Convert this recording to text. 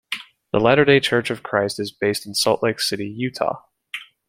The Latter Day Church of Christ is based in Salt Lake City, Utah.